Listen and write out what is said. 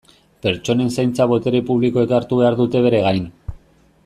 Pertsonen zaintza botere publikoek hartu behar dute bere gain.